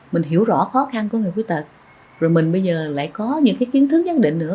mình hiểu rõ khó khăn của người khuyết tật rồi mình bây giờ lại có những cái kiến thức nhất định nữa